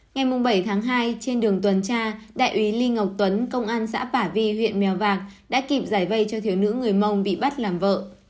ngày bảy tháng hai trên đường tuần tra đại úy lê ngọc tuấn công an xã bà vi huyện mèo vạc đã kịp giải vây cho thiếu nữ người mông bị bắt làm vợ